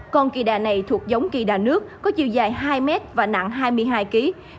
còn kỳ đà này thuộc giống kỳ đà nước có chiều dài hai mét và nặng hai mươi hai kg